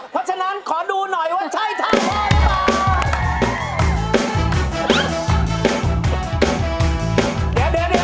เพราะฉะนั้นขอดูหน่อยว่าใช่ท่านหรือเปล่า